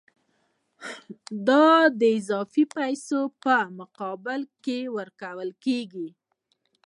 دا د اضافي پیسو په مقابل کې ورکول کېږي